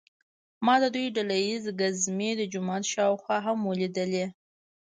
ما د دوی ډله ییزې ګزمې د جومات شاوخوا هم ولیدلې.